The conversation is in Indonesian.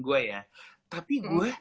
gue ya tapi gue